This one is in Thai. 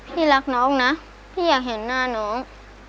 พี่รักน้องนะพี่อยากเห็นหน้าน้อง